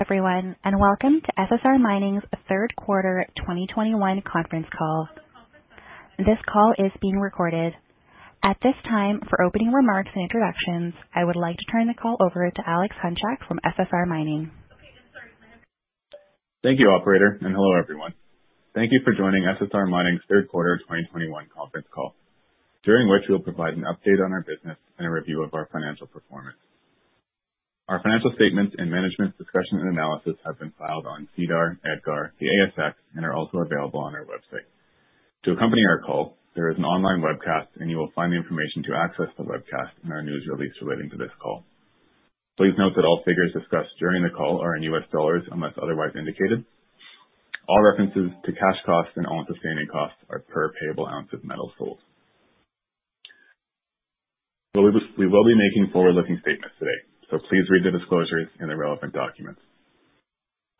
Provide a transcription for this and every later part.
Everyone, and welcome to SSR Mining's Third Quarter 2021 Conference Call. This call is being recorded. At this time, for opening remarks and introductions, I would like to turn the call over to Alex Hunchak from SSR Mining. Thank you, operator, and hello everyone. Thank you for joining SSR Mining's Third Quarter 2021 Conference Call, during which we'll provide an update on our business and a review of our financial performance. Our financial statements and management discussion and analysis have been filed on SEDAR, EDGAR, the ASX, and are also available on our website. To accompany our call, there is an online webcast, and you will find the information to access the webcast in our news release relating to this call. Please note that all figures discussed during the call are in U.S. dollars, unless otherwise indicated. All references to cash costs and all sustaining costs are per payable ounce of metal sold. We will be making forward-looking statements today, so please read the disclosures in the relevant documents.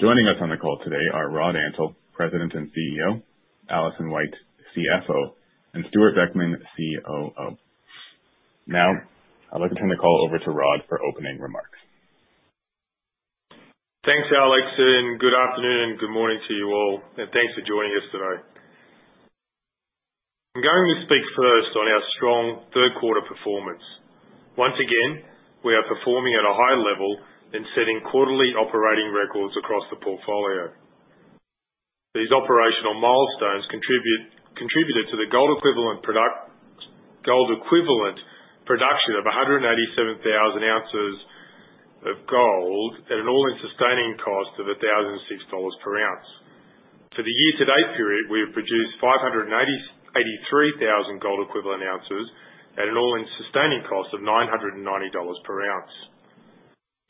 Joining us on the call today are Rod Antal, President and CEO, Alison White, CFO, and Stewart Beckman, COO. Now, I'd like to turn the call over to Rod for opening remarks. Thanks, Alex, and good afternoon and good morning to you all. Thanks for joining us today. I'm going to speak first on our strong third-quarter performance. Once again, we are performing at a high level and setting quarterly operating records across the portfolio. These operational milestones contributed to the gold equivalent production of 187,000 ounces of gold at an all-in sustaining cost of $1,006 per ounce. For the year to date period, we have produced 583,000 gold equivalent ounces at an all-in sustaining cost of $990 per ounce.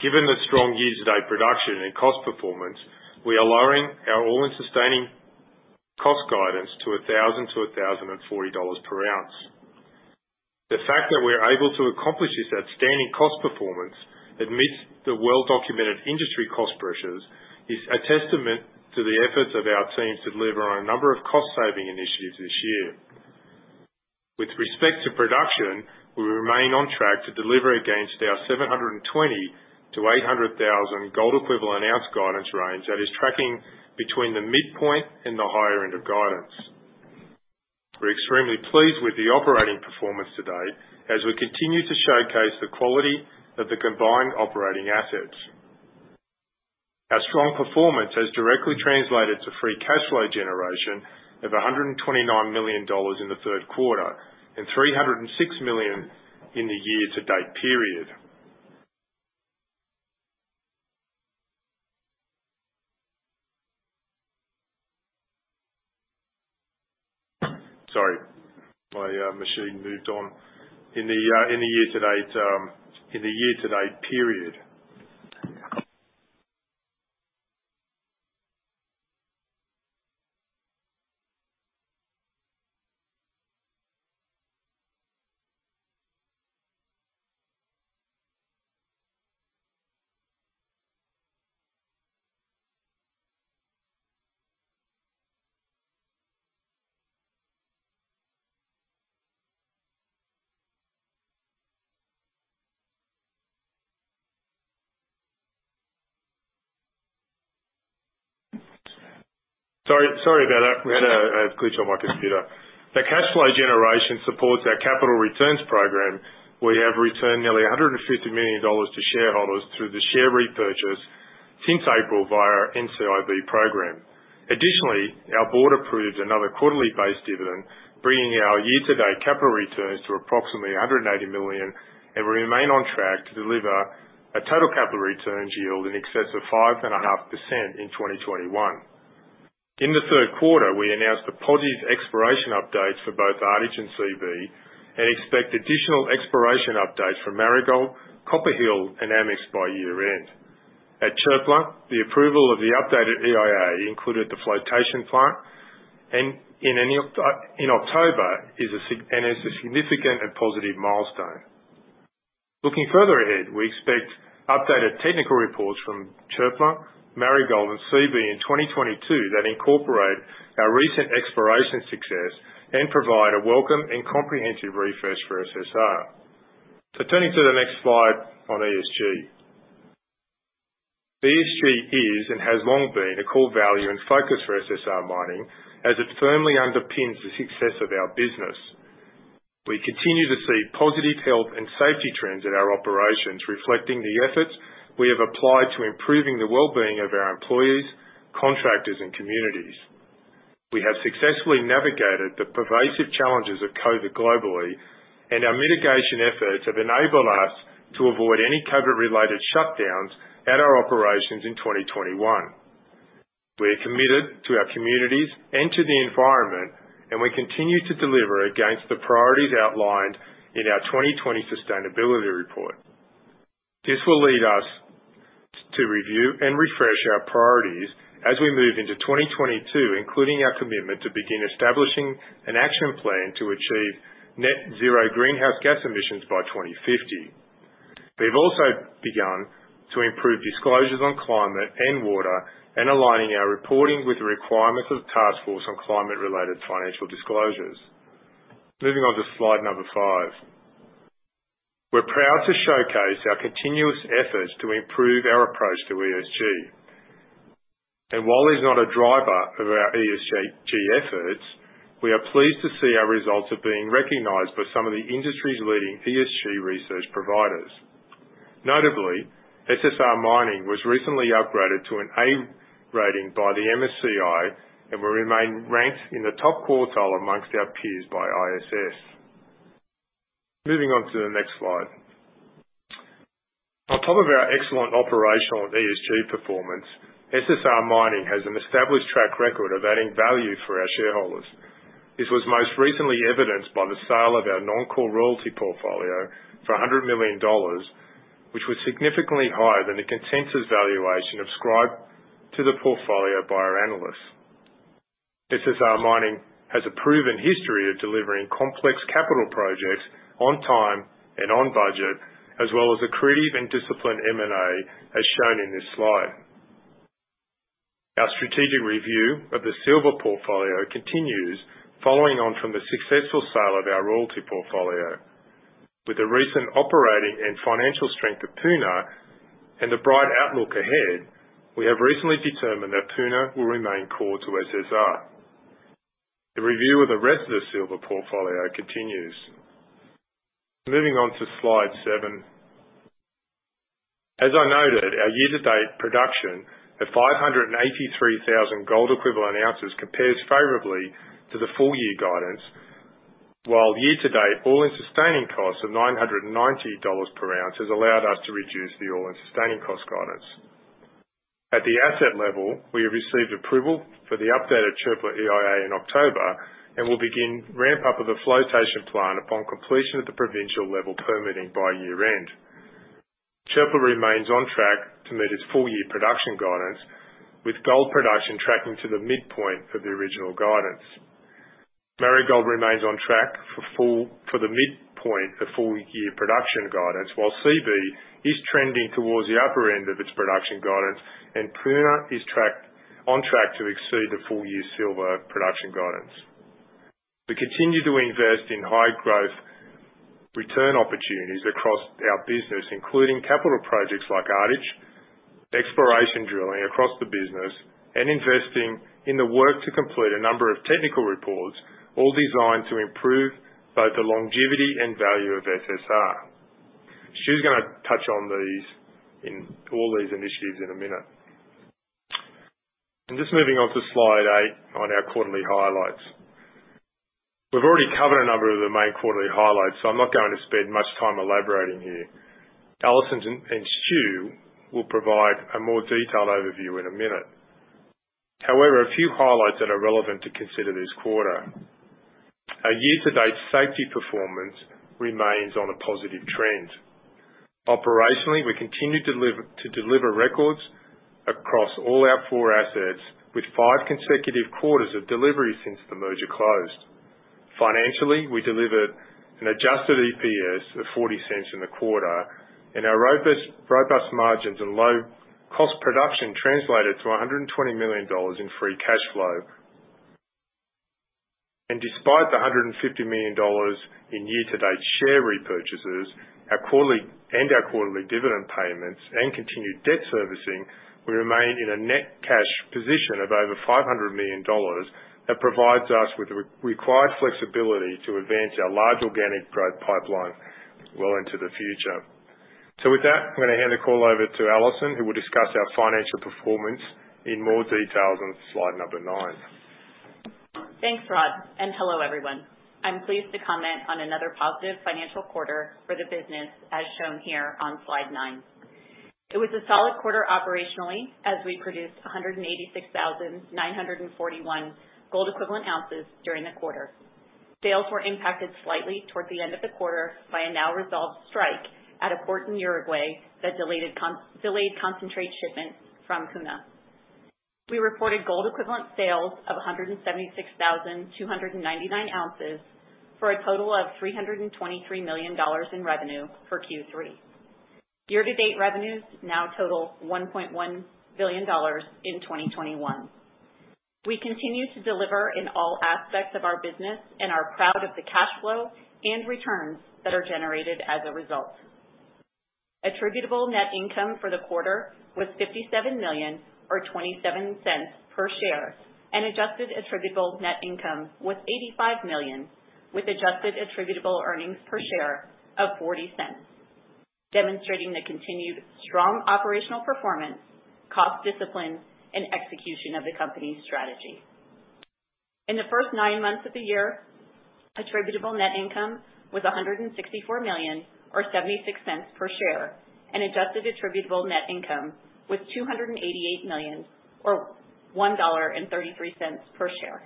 Given the strong year-to-date production and cost performance, we are lowering our all-in sustaining cost guidance to $1,000-$1,040 per ounce. The fact that we're able to accomplish this outstanding cost performance amidst the well-documented industry cost pressures is a testament to the efforts of our teams to deliver on a number of cost-saving initiatives this year. With respect to production, we remain on track to deliver against our 720,000-800,000 gold equivalent ounce guidance range that is tracking between the midpoint and the higher end of guidance. We're extremely pleased with the operating performance today as we continue to showcase the quality of the combined operating assets. Our strong performance has directly translated to free cash flow generation of $129 million in the third quarter, and $306 million in the year-to-date period. Sorry, my machine moved on. Sorry about that. We had a glitch on my computer. The cash flow generation supports our capital returns program, where we have returned nearly $150 million to shareholders through the share repurchase since April via our NCIB program. Additionally, our board approved another quarterly-based dividend, bringing our year-to-date capital returns to approximately $180 million, and we remain on track to deliver a total capital returns yield in excess of 5.5% in 2021. In the third quarter, we announced the positive exploration updates for both Ardich and Seabee, and expect additional exploration updates from Marigold, Copper Hill, and Amisk by year-end. At Çöpler, the approval of the updated EIA included the flotation plant, and in October is a significant and positive milestone. Looking further ahead, we expect updated technical reports from Çöpler, Marigold and Seabee in 2022 that incorporate our recent exploration success and provide a welcome and comprehensive refresh for SSR. Turning to the next slide on ESG. ESG is and has long been a core value and focus for SSR Mining as it firmly underpins the success of our business. We continue to see positive health and safety trends in our operations, reflecting the efforts we have applied to improving the well-being of our employees, contractors, and communities. We have successfully navigated the pervasive challenges of COVID globally, and our mitigation efforts have enabled us to avoid any COVID-related shutdowns at our operations in 2021. We are committed to our communities and to the environment, and we continue to deliver against the priorities outlined in our 2020 sustainability report. This will lead us to review and refresh our priorities as we move into 2022, including our commitment to begin establishing an action plan to achieve net-zero greenhouse gas emissions by 2050. We've also begun to improve disclosures on climate and water and aligning our reporting with the requirements of Task Force on Climate-Related Financial Disclosures. Moving on to slide five. We're proud to showcase our continuous efforts to improve our approach to ESG. While it is not a driver of our ESG efforts, we are pleased to see our results are being recognized by some of the industry's leading ESG research providers. Notably, SSR Mining was recently upgraded to an A rating by the MSCI, and we remain ranked in the top quartile among our peers by ISS. Moving on to the next slide. On top of our excellent operational ESG performance, SSR Mining has an established track record of adding value for our shareholders. This was most recently evidenced by the sale of our non-core royalty portfolio for $100 million, which was significantly higher than the consensus valuation ascribed to the portfolio by our analysts. SSR Mining has a proven history of delivering complex capital projects on time and on budget, as well as accretive and disciplined M&A, as shown in this slide. Our strategic review of the silver portfolio continues following on from the successful sale of our royalty portfolio. With the recent operating and financial strength of Puna and the bright outlook ahead, we have recently determined that Puna will remain core to SSR. The review of the rest of the silver portfolio continues. Moving on to slide seven. As I noted, our year-to-date production of 583,000 gold equivalent ounces compares favorably to the full-year guidance. While year-to-date all-in sustaining costs of $990 per ounce has allowed us to reduce the all-in sustaining cost guidance. At the asset level, we have received approval for the updated Çöpler EIA in October, and will begin ramp-up of the flotation plant upon completion of the provincial level permitting by year-end. Çöpler remains on track to meet its full-year production guidance, with gold production tracking to the midpoint of the original guidance. Marigold remains on track for the midpoint of full-year production guidance, while Seabee is trending towards the upper end of its production guidance, and Puna is on track to exceed the full-year silver production guidance. We continue to invest in high-growth return opportunities across our business, including capital projects like Ardich, exploration drilling across the business, and investing in the work to complete a number of technical reports, all designed to improve both the longevity and value of SSR. Stu's gonna touch on these, in all these initiatives in a minute. Just moving on to slide eight on our quarterly highlights. We've already covered a number of the main quarterly highlights, so I'm not going to spend much time elaborating here. Alison and Stu will provide a more detailed overview in a minute. However, a few highlights that are relevant to consider this quarter. Our year-to-date safety performance remains on a positive trend. Operationally, we continue to deliver records across all our four assets, with five consecutive quarters of delivery since the merger closed. Financially, we delivered an adjusted EPS of $0.40 in the quarter, and our robust margins and low-cost production translated to $120 million in free cash flow. Despite the $150 million in year-to-date share repurchases, our quarterly dividend payments and continued debt servicing, we remain in a net cash position of over $500 million that provides us with the required flexibility to advance our large organic growth pipeline well into the future. With that, I'm gonna hand the call over to Alison, who will discuss our financial performance in more details on slide nine. Thanks, Rod, and hello, everyone. I'm pleased to comment on another positive financial quarter for the business as shown here on slide nine. It was a solid quarter operationally as we produced 186,941 gold equivalent ounces during the quarter. Sales were impacted slightly towards the end of the quarter by a now-resolved strike at a port in Uruguay that delayed concentrate shipments from Puna. We reported gold equivalent sales of 176,299 ounces for a total of $323 million in revenue for Q3. Year-to-date revenues now total $1.1 billion in 2021. We continue to deliver in all aspects of our business and are proud of the cash flow and returns that are generated as a result. Attributable net income for the quarter was $57 million, or $0.27 per share, and adjusted attributable net income was $85 million, with adjusted attributable earnings per share of $0.40, demonstrating the continued strong operational performance, cost discipline and execution of the company's strategy. In the first nine months of the year, attributable net income was $164 million or $0.76 per share, and adjusted attributable net income was $288 million or $1.33 per share.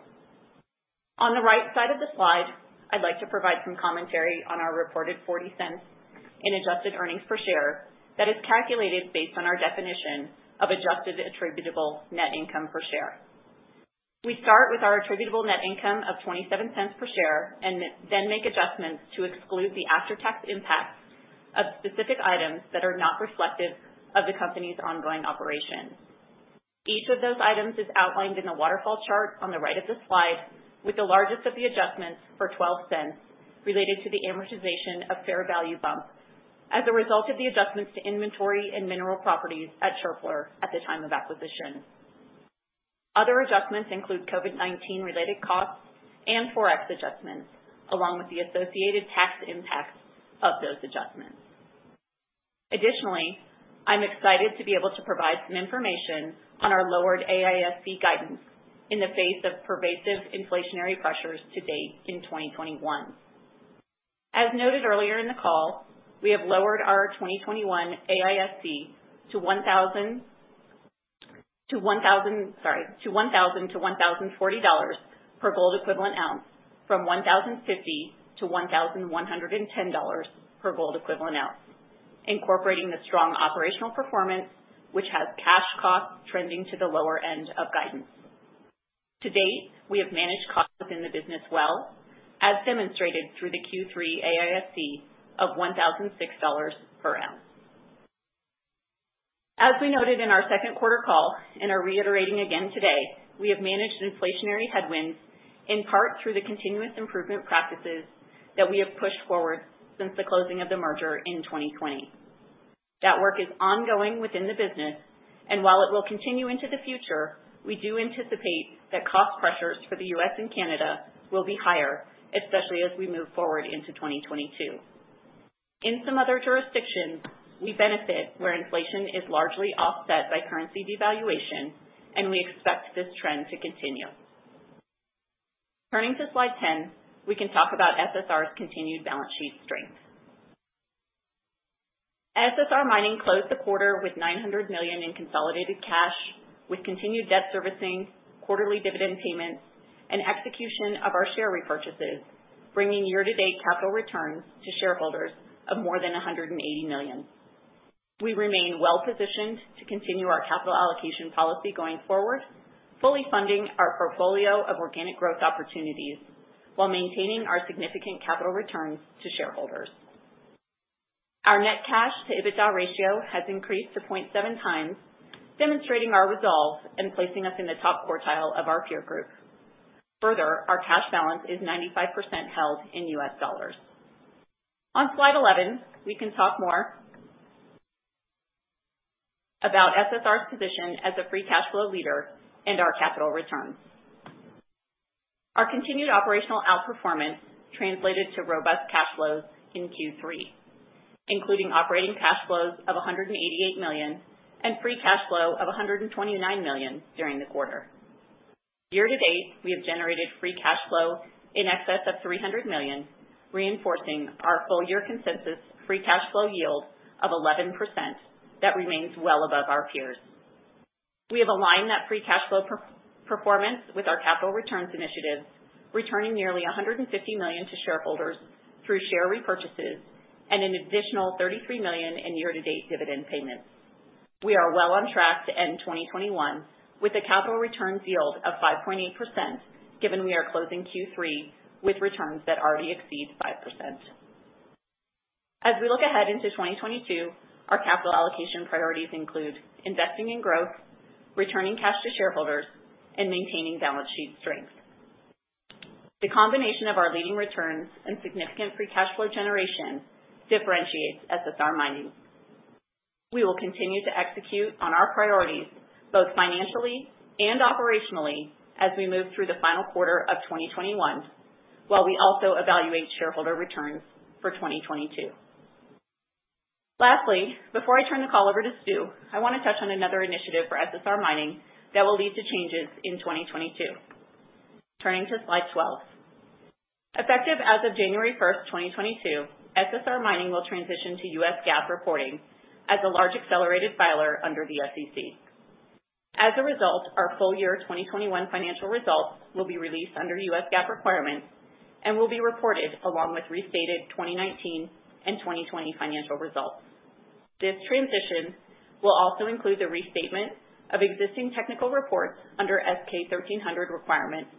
On the right side of the slide, I'd like to provide some commentary on our reported $0.40 in adjusted earnings per share that is calculated based on our definition of adjusted attributable net income per share. We start with our attributable net income of $0.27 per share and then make adjustments to exclude the after-tax impacts of specific items that are not reflective of the company's ongoing operations. Each of those items is outlined in the waterfall chart on the right of the slide, with the largest of the adjustments for $0.12 related to the amortization of fair value bump as a result of the adjustments to inventory and mineral properties at Çöpler at the time of acquisition. Other adjustments include COVID-19-related costs and Forex adjustments, along with the associated tax impacts of those adjustments. Additionally, I'm excited to be able to provide some information on our lowered AISC guidance in the face of pervasive inflationary pressures to date in 2021. As noted earlier in the call, we have lowered our 2021 AISC to $1,000-$1,040 per gold equivalent ounce from $1,050-$1,110 per gold equivalent ounce, incorporating the strong operational performance which has cash costs trending to the lower end of guidance. To date, we have managed costs within the business well, as demonstrated through the Q3 AISC of $1,006 per ounce. As we noted in our second quarter call and are reiterating again today, we have managed inflationary headwinds, in part through the continuous improvement practices that we have pushed forward since the closing of the merger in 2020. That work is ongoing within the business, and while it will continue into the future, we do anticipate that cost pressures for the U.S. and Canada will be higher, especially as we move forward into 2022. In some other jurisdictions, we benefit where inflation is largely offset by currency devaluation, and we expect this trend to continue. Turning to slide 10, we can talk about SSR's continued balance sheet strength. SSR Mining closed the quarter with $900 million in consolidated cash, with continued debt servicing, quarterly dividend payments, and execution of our share repurchases, bringing year-to-date capital returns to shareholders of more than $180 million. We remain well-positioned to continue our capital allocation policy going forward, fully funding our portfolio of organic growth opportunities while maintaining our significant capital returns to shareholders. Our net cash to EBITDA ratio has increased to 0.7x, demonstrating our resolve and placing us in the top quartile of our peer group. Further, our cash balance is 95% held in U.S. dollars. On slide 11, we can talk more about SSR's position as a free cash flow leader and our capital returns. Our continued operational outperformance translated to robust cash flows in Q3, including operating cash flows of $188 million and free cash flow of $129 million during the quarter. Year to date, we have generated free cash flow in excess of $300 million, reinforcing our full-year consensus free cash flow yield of 11% that remains well above our peers. We have aligned that free cash flow per-performance with our capital returns initiative, returning nearly $150 million to shareholders through share repurchases and an additional $33 million in year-to-date dividend payments. We are well on track to end 2021 with a capital returns yield of 5.8%, given we are closing Q3 with returns that already exceed 5%. As we look ahead into 2022, our capital allocation priorities include investing in growth, returning cash to shareholders, and maintaining balance sheet strength. The combination of our leading returns and significant free cash flow generation differentiates SSR Mining. We will continue to execute on our priorities both financially and operationally as we move through the final quarter of 2021, while we also evaluate shareholder returns for 2022. Lastly, before I turn the call over to Stu, I want to touch on another initiative for SSR Mining that will lead to changes in 2022. Turning to slide 12. Effective as of January 1st, 2022, SSR Mining will transition to U.S. GAAP reporting as a large accelerated filer under the SEC. As a result, our full-year 2021 financial results will be released under U.S. GAAP requirements and will be reported along with restated 2019 and 2020 financial results. This transition will also include the restatement of existing technical reports under S-K 1300 requirements,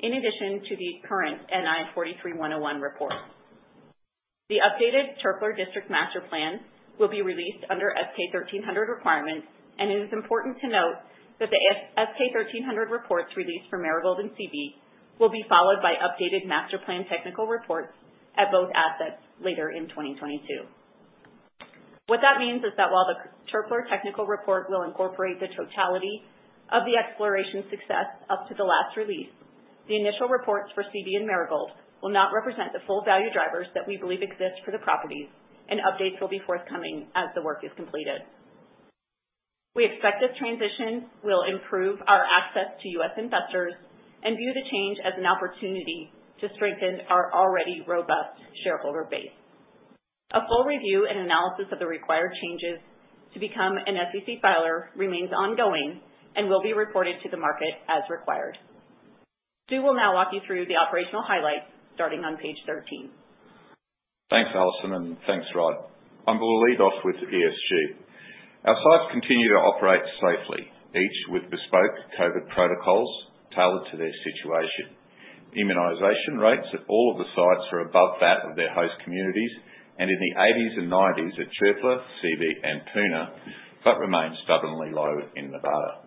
in addition to the current NI 43-101 report. The updated Çöpler District Master Plan will be released under S-K 1300 requirements, and it is important to note that the S-K 1300 reports released for Marigold and Seabee will be followed by updated Master Plan technical reports at both assets later in 2022. What that means is that while the Çöpler technical report will incorporate the totality of the exploration success up to the last release, the initial reports for Seabee and Marigold will not represent the full value drivers that we believe exist for the properties, and updates will be forthcoming as the work is completed. We expect this transition will improve our access to U.S. investors and view the change as an opportunity to strengthen our already robust shareholder base. A full review and analysis of the required changes to become an SEC filer remains ongoing and will be reported to the market as required. Stu will now walk you through the operational highlights starting on page 13. Thanks, Alison, and thanks, Rod. I'm gonna lead off with ESG. Our sites continue to operate safely, each with bespoke COVID protocols tailored to their situation. Immunization rates at all of the sites are above that of their host communities, and in the 80s and 90s at Çöpler, Seabee, and Puna, but remain stubbornly low in Nevada.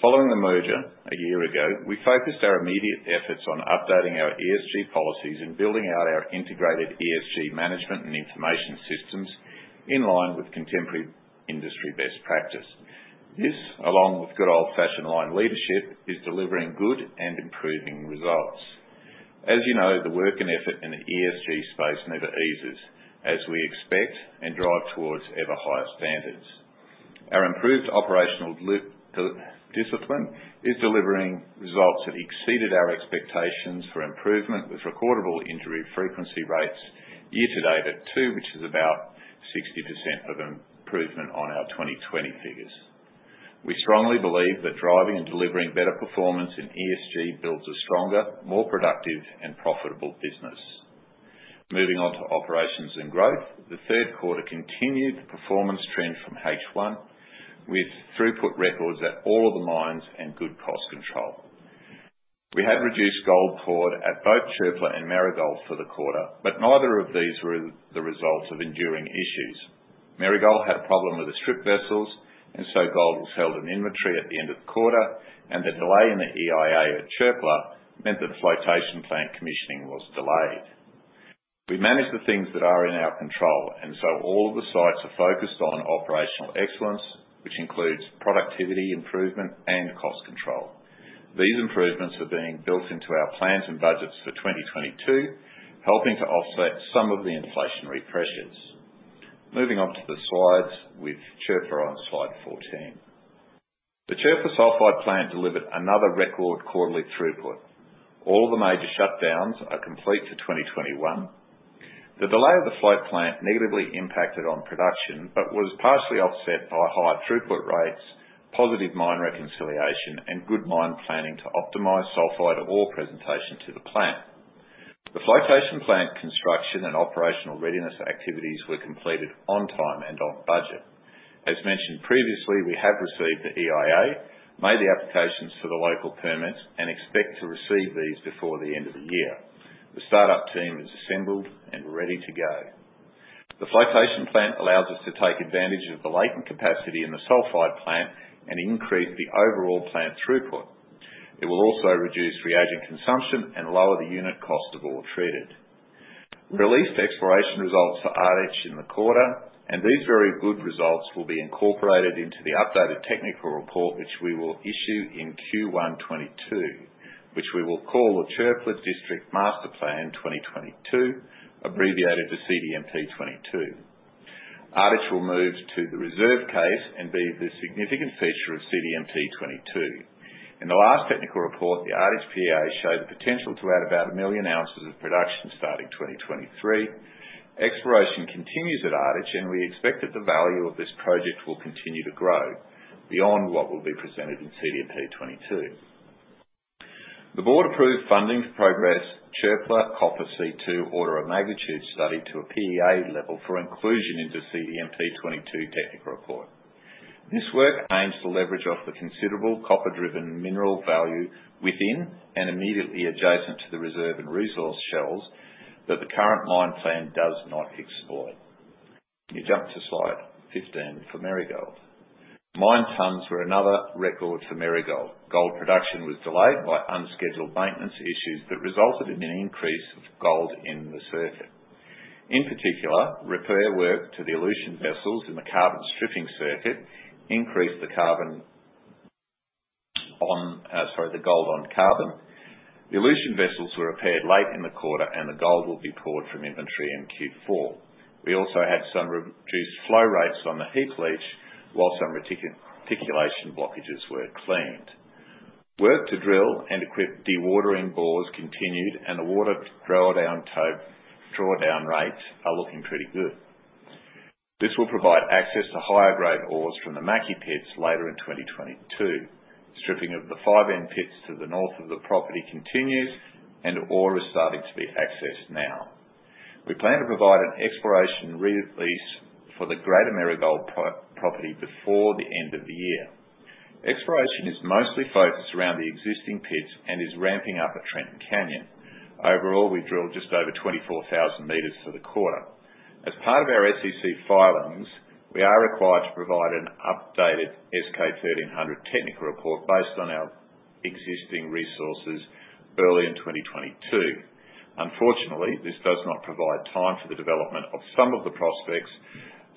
Following the merger a year ago, we focused our immediate efforts on updating our ESG policies and building out our integrated ESG management and information systems in line with contemporary industry best practice. This, along with good old-fashioned line leadership, is delivering good and improving results. As you know, the work and effort in the ESG space never eases as we expect and drive towards ever higher standards. Our improved operational discipline is delivering results that exceeded our expectations for improvement, with recordable injury frequency rates year-to-date at two, which is about 60% improvement on our 2020 figures. We strongly believe that driving and delivering better performance in ESG builds a stronger, more productive, and profitable business. Moving on to operations and growth. The third quarter continued the performance trend from H1 with throughput records at all of the mines and good cost control. We have reduced gold poured at both Çöpler and Marigold for the quarter, but neither of these were the results of enduring issues. Marigold had a problem with the strip vessels, and so gold was held in inventory at the end of the quarter, and the delay in the EIA at Çöpler meant that the flotation plant commissioning was delayed. We managed the things that are in our control, and so all of the sites are focused on operational excellence, which includes productivity improvement and cost control. These improvements are being built into our plans and budgets for 2022, helping to offset some of the inflationary pressures. Moving on to the slides, with Çöpler on slide 14. The Çöpler sulfide plant delivered another record quarterly throughput. All the major shutdowns are complete for 2021. The delay of the float plant negatively impacted on production, but was partially offset by high throughput rates, positive mine reconciliation, and good mine planning to optimize sulfide ore presentation to the plant. The flotation plant construction and operational readiness activities were completed on time and on budget. As mentioned previously, we have received the EIA, made the applications for the local permits, and expect to receive these before the end of the year. The startup team is assembled and ready to go. The flotation plant allows us to take advantage of the latent capacity in the sulfide plant and increase the overall plant throughput. It will also reduce reagent consumption and lower the unit cost of ore treated. We released exploration results for Ardich in the quarter, and these very good results will be incorporated into the updated technical report, which we will issue in Q1 2022, which we will call the Çöpler District Master Plan 2022, abbreviated to CDMP-22. Ardich will move to the reserve case and be the significant feature of CDMP-22. In the last technical report, the Ardich PEA showed the potential to add about a million ounces of production starting 2023. Exploration continues at Ardich, and we expect that the value of this project will continue to grow beyond what will be presented in CDMP-22. The board approved funding to progress Çöpler Copper C2 order of magnitude study to a PEA level for inclusion into CDMP-22 technical report. This work aims to leverage off the considerable copper-driven mineral value within and immediately adjacent to the reserve and resource shells that the current mine plan does not exploit. Can you jump to slide 15 for Marigold? Mined tons were another record for Marigold. Gold production was delayed by unscheduled maintenance issues that resulted in an increase of gold in the circuit. In particular, repair work to the elution vessels in the carbon stripping circuit increased the carbon on, sorry, the gold on carbon. The elution vessels were repaired late in the quarter, and the gold will be poured from inventory in Q4. We also had some reduced flow rates on the heap leach while some reticulation blockages were cleaned. Work to drill and equip dewatering bores continued, and the water draw-down rates are looking pretty good. This will provide access to higher-grade ores from the Mackay Pits later in 2022. Stripping of the 5N pits to the north of the property continues, and ore is starting to be accessed now. We plan to provide an exploration release for the greater Marigold property before the end of the year. Exploration is mostly focused around the existing pits and is ramping up at Trenton Canyon. Overall, we drilled just over 24,000 meters for the quarter. As part of our SEC filings, we are required to provide an updated S-K 1300 technical report based on our existing resources early in 2022. Unfortunately, this does not provide time for the development of some of the prospects,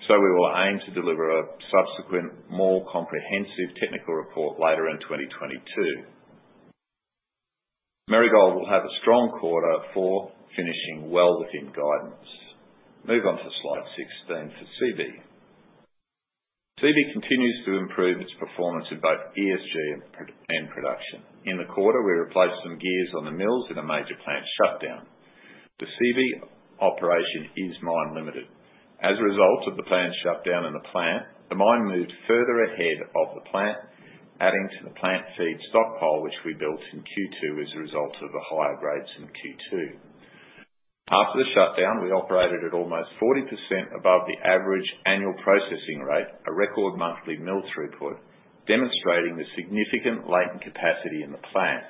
so we will aim to deliver a subsequent, more comprehensive technical report later in 2022. Marigold will have a strong quarter for finishing well within guidance. Move on to slide 16 for Seabee. Seabee continues to improve its performance in both ESG and production. In the quarter, we replaced some gears on the mills in a major plant shutdown. The Seabee operation is mine-limited. As a result of the planned shutdown in the plant, the mine moved further ahead of the plant, adding to the plant feed stockpile, which we built in Q2 as a result of the higher grades in Q2. After the shutdown, we operated at almost 40% above the average annual processing rate, a record monthly mill throughput, demonstrating the significant latent capacity in the plant.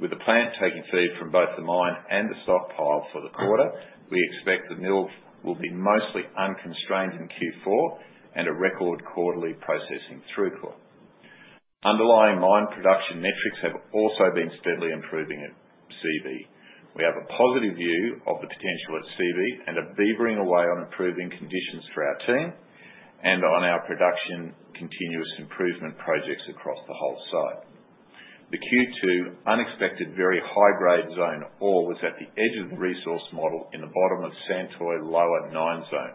With the plant taking feed from both the mine and the stockpile for the quarter, we expect the mill will be mostly unconstrained in Q4 and a record quarterly processing throughput. Underlying mine production metrics have also been steadily improving at Seabee. We have a positive view of the potential at Seabee and are beavering away on improving conditions for our team and on our production continuous improvement projects across the whole site. The Q2 unexpected very high-grade zone ore was at the edge of the resource model in the bottom of Santoy Lower 9 zone.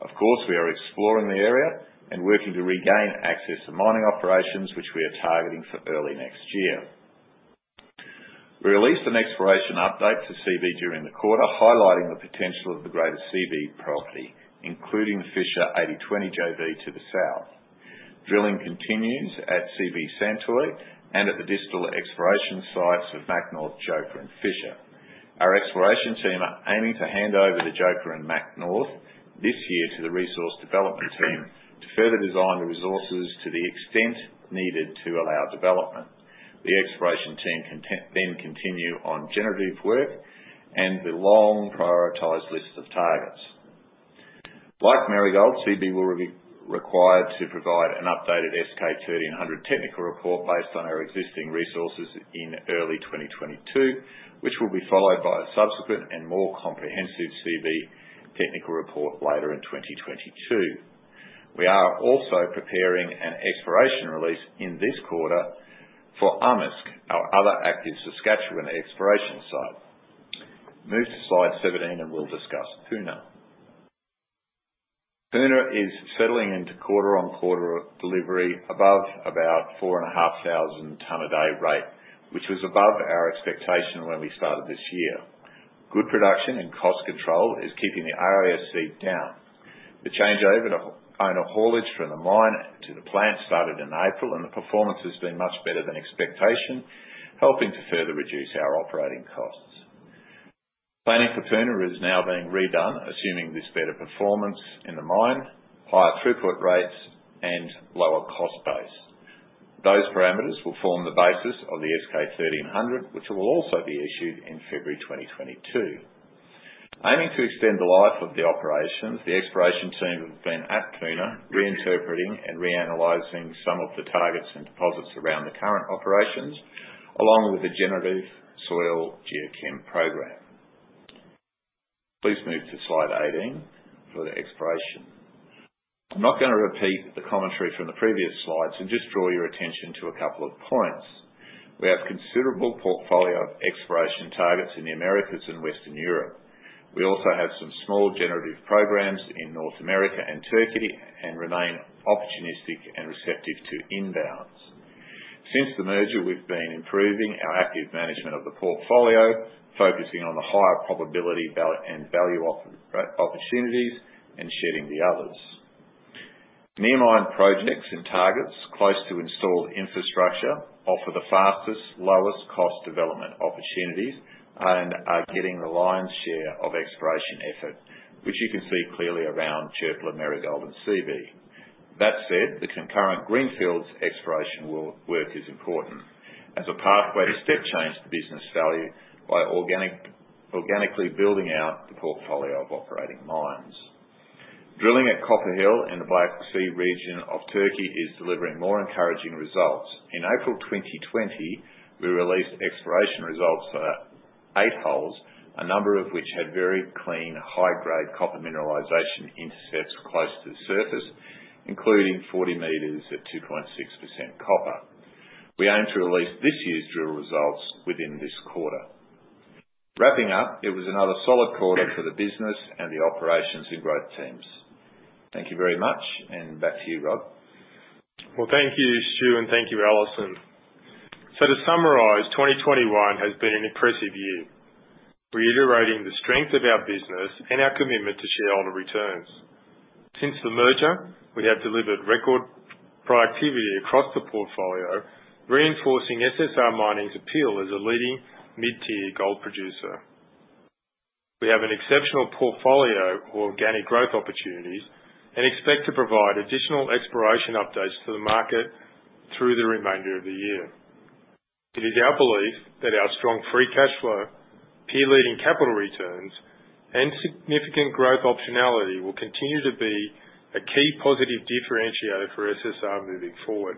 Of course, we are exploring the area and working to regain access to mining operations, which we are targeting for early next year. We released an exploration update to Seabee during the quarter, highlighting the potential of the greater Seabee property, including Fisher 80/20 JV to the south. Drilling continues at Seabee Santoy and at the distal exploration sites of Mac North, Joker and Fisher. Our exploration team are aiming to hand over the Joker and Mac North this year to the resource development team to further design the resources to the extent needed to allow development. The exploration team can then continue on generative work and the long-prioritized list of targets. Like Marigold, Seabee will be required to provide an updated S-K 1300 technical report based on our existing resources in early 2022, which will be followed by a subsequent and more comprehensive Seabee technical report later in 2022. We are also preparing an exploration release in this quarter for Amisk, our other active Saskatchewan exploration site. Move to slide 17, and we'll discuss Puna. Puna is settling into quarter-on-quarter delivery above about 4,500 ton a day rate, which was above our expectation when we started this year. Good production and cost control is keeping the AISC down. The changeover to owner haulage from the mine to the plant started in April, and the performance has been much better than expectation, helping to further reduce our operating costs. Planning for Puna is now being redone, assuming this better performance in the mine, higher throughput rates, and lower cost base. Those parameters will form the basis of the S-K 1300, which will also be issued in February 2022. Aiming to extend the life of the operations, the exploration team have been at Puna, reinterpreting and reanalyzing some of the targets and deposits around the current operations, along with the generative soil geochem program. Please move to slide 18 for the exploration. I'm not gonna repeat the commentary from the previous slides and just draw your attention to a couple of points. We have considerable portfolio of exploration targets in the Americas and Western Europe. We also have some small generative programs in North America and Turkey and remain opportunistic and receptive to inbounds. Since the merger, we've been improving our active management of the portfolio, focusing on the higher probability value opportunities and shedding the others. Near mine projects and targets close to installed infrastructure offer the fastest, lowest cost development opportunities and are getting the lion's share of exploration effort, which you can see clearly around Çöpler, Marigold, and Seabee. That said, the concurrent greenfields exploration work is important as a pathway to step change the business value by organically building out the portfolio of operating mines. Drilling at Copper Hill in the Black Sea region of Turkey is delivering more encouraging results. In April 2020, we released exploration results for eight holes, a number of which had very clean, high-grade copper mineralization intercepts close to the surface, including 40 meters at 2.6% copper. We aim to release this year's drill results within this quarter. Wrapping up, it was another solid quarter for the business and the operations and growth teams. Thank you very much, and back to you, Rod. Well, thank you, Stu, and thank you, Alison. To summarize, 2021 has been an impressive year, reiterating the strength of our business and our commitment to shareholder returns. Since the merger, we have delivered record productivity across the portfolio, reinforcing SSR Mining's appeal as a leading mid-tier gold producer. We have an exceptional portfolio for organic growth opportunities and expect to provide additional exploration updates to the market through the remainder of the year. It is our belief that our strong free cash flow, peer-leading capital returns, and significant growth optionality will continue to be a key positive differentiator for SSR moving forward.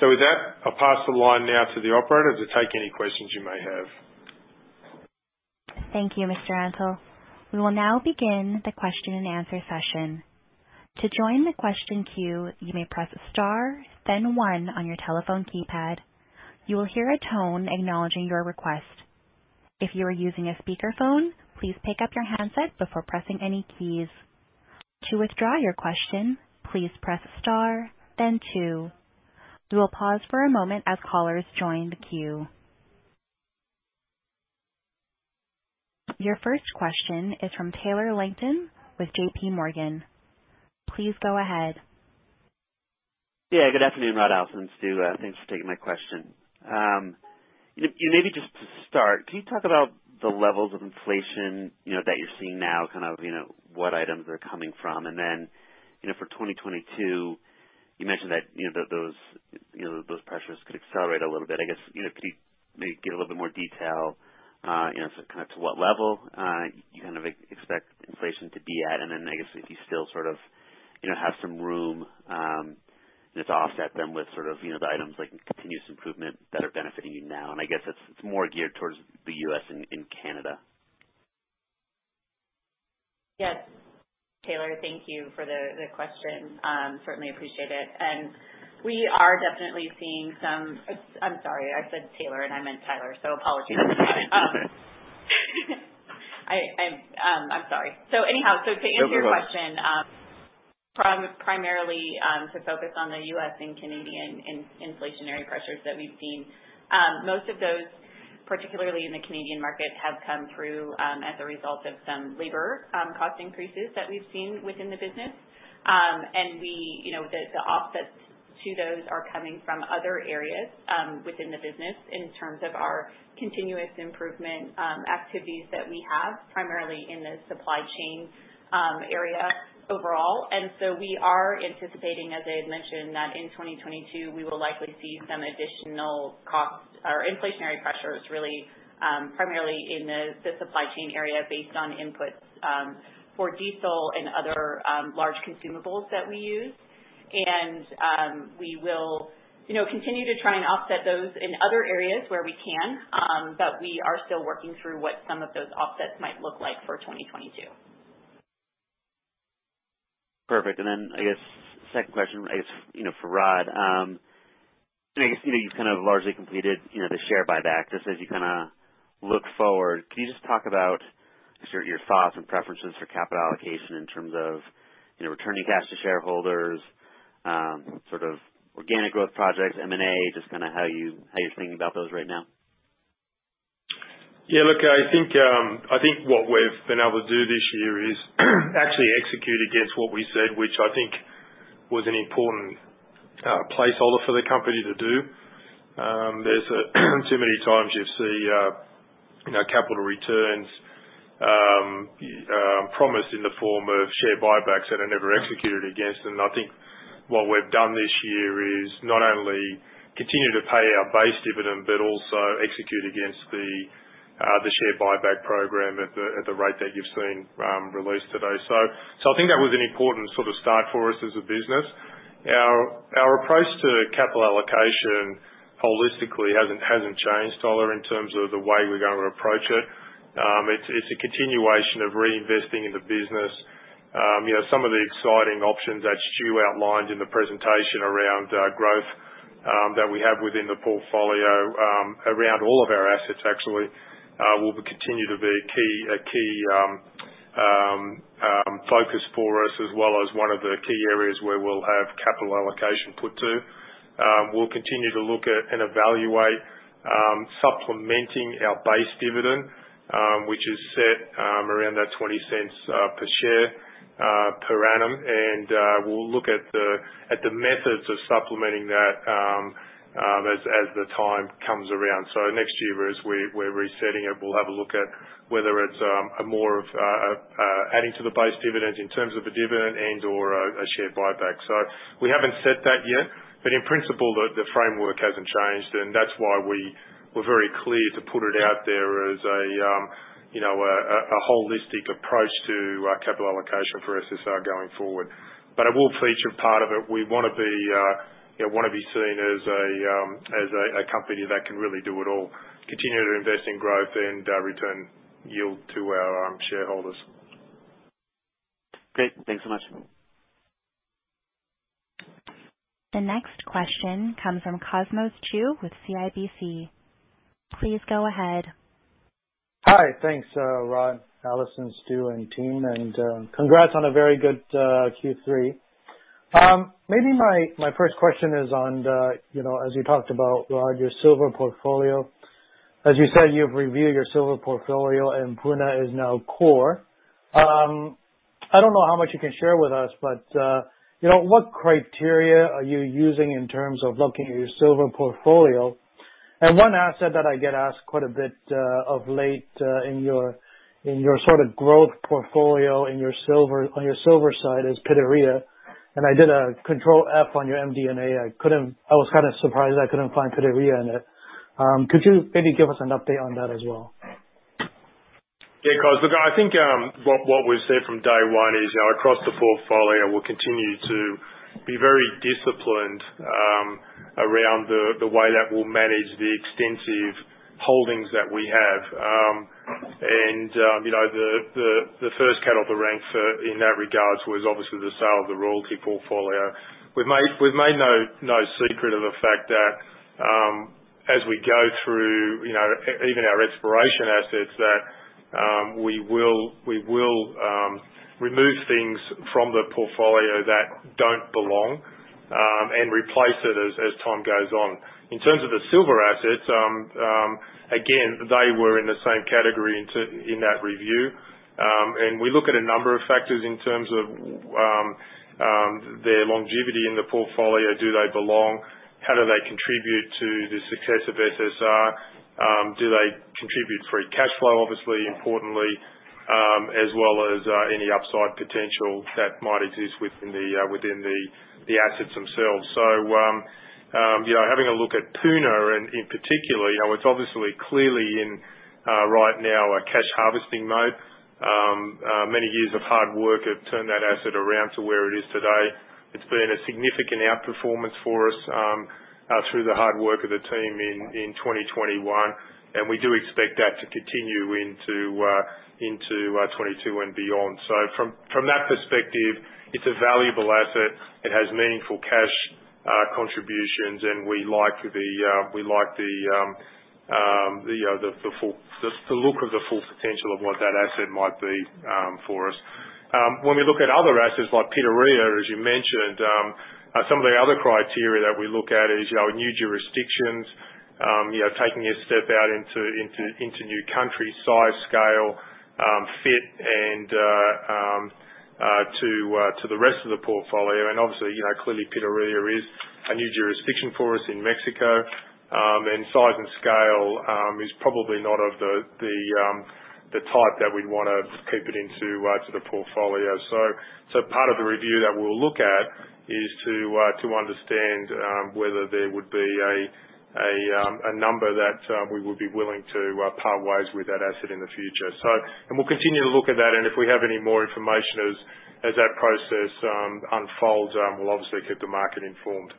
With that, I'll pass the line now to the operator to take any questions you may have. Thank you, Mr. Antal. We will now begin the question-and-answer session. To join the question queue, you may press star then one on your telephone keypad. You will hear a tone acknowledging your request. If you are using a speakerphone, please pick up your handset before pressing any keys. To withdraw your question, please press star then two. We will pause for a moment as callers join the queue. Your first question is from Tyler Langton with JPMorgan. Please go ahead. Good afternoon, Rod, Alison, Stu, thanks for taking my question. You know, maybe just to start, can you talk about the levels of inflation, you know, that you're seeing now, kind of, you know, what items are coming from, and then, you know, for 2022, you mentioned that, you know, those pressures could accelerate a little bit. I guess, you know, could you maybe give a little bit more detail, you know, so kind of to what level, you kind of expect inflation to be at? And then I guess if you still sort of, you know, have some room, just offset them with sort of, you know, the items like continuous improvement that are benefiting you now. I guess it's more geared towards the U.S. and Canada. Yes. Taylor, thank you for the question. Certainly appreciate it. I'm sorry, I said Taylor and I meant Tyler, so apologies. I'm sorry. Anyhow, to answer your question. No worries. Primarily, to focus on the U.S. and Canadian inflationary pressures that we've seen. Most of those, particularly in the Canadian market, have come through as a result of some labor cost increases that we've seen within the business. You know, the offsets to those are coming from other areas within the business in terms of our continuous improvement activities that we have primarily in the supply chain area overall. We are anticipating, as I had mentioned, that in 2022, we will likely see some additional costs or inflationary pressures really primarily in the supply chain area based on inputs for diesel and other large consumables that we use. We will, you know, continue to try and offset those in other areas where we can, but we are still working through what some of those offsets might look like for 2022. Perfect. I guess second question, I guess, you know, for Rod. I guess, you know, you've kind of largely completed, you know, the share buyback. Just as you kinda look forward, can you just talk about just your thoughts and preferences for capital allocation in terms of, you know, returning cash to shareholders, sort of organic growth projects, M&A, just kinda how you're thinking about those right now? Yeah, look, I think what we've been able to do this year is actually execute against what we said, which I think was an important placeholder for the company to do. There's too many times you see, you know, capital returns promised in the form of share buybacks that are never executed against. I think what we've done this year is not only continue to pay our base dividend, but also execute against the share buyback program at the rate that you've seen released today. I think that was an important sort of start for us as a business. Our approach to capital allocation holistically hasn't changed, Tyler, in terms of the way we're gonna approach it. It's a continuation of reinvesting in the business. You know, some of the exciting options that Stu outlined in the presentation around growth that we have within the portfolio around all of our assets actually will continue to be a key focus for us as well as one of the key areas where we'll have capital allocation put to. We'll continue to look at and evaluate supplementing our base dividend which is set around that $0.20 per share per annum. We'll look at the methods of supplementing that as the time comes around. Next year as we're resetting it, we'll have a look at whether it's more of adding to the base dividends in terms of the dividend and/or a share buyback. We haven't set that yet, but in principle, the framework hasn't changed, and that's why we were very clear to put it out there as a holistic approach to capital allocation for SSR going forward. It will feature part of it. We wanna be seen as a company that can really do it all, continue to invest in growth and return yield to our shareholders. Great. Thanks so much. The next question comes from Cosmos Chiu with CIBC. Please go ahead. Hi. Thanks, Rod, Alison, Stu, and team, and, congrats on a very good Q3. Maybe my first question is on the, you know, as you talked about, Rod, your silver portfolio. As you said, you've reviewed your silver portfolio and Puna is now core. I don't know how much you can share with us, but, you know, what criteria are you using in terms of looking at your silver portfolio? One asset that I get asked quite a bit of late in your sort of growth portfolio in your silver, on your silver side is Pitarrilla. I did a Control + F on your MD&A. I was kind of surprised I couldn't find Pitarrilla in it. Could you maybe give us an update on that as well? Yeah, Cos. Look, I think what we've said from day one is, you know, across the portfolio, we'll continue to be very disciplined around the way that we'll manage the extensive holdings that we have. You know, the first cat off the ranks in that regards was obviously the sale of the royalty portfolio. We've made no secret of the fact that, as we go through, you know, even our exploration assets that we will remove things from the portfolio that don't belong and replace it as time goes on. In terms of the silver assets, again, they were in the same category in that review. We look at a number of factors in terms of their longevity in the portfolio, do they belong? How do they contribute to the success of SSR? Do they contribute free cash flow, obviously, importantly, as well as any upside potential that might exist within the assets themselves. You know, having a look at Puna and in particular, you know, it's obviously clearly in, right now, a cash harvesting mode. Many years of hard work have turned that asset around to where it is today. It's been a significant outperformance for us through the hard work of the team in 2021, and we do expect that to continue into 2022 and beyond. From that perspective, it's a valuable asset. It has meaningful cash contributions, and we like the you know, the look of the full potential of what that asset might be for us. When we look at other assets like Pitarrilla, as you mentioned, some of the other criteria that we look at is you know, new jurisdictions, you know, taking a step out into new countries, size, scale, fit, and to the rest of the portfolio. Obviously, you know, clearly Pitarrilla is a new jurisdiction for us in Mexico, and size and scale is probably not of the type that we'd wanna keep it into to the portfolio. Part of the review that we'll look at is to understand whether there would be a number that we would be willing to part ways with that asset in the future. We'll continue to look at that, and if we have any more information as that process unfolds, we'll obviously keep the market informed.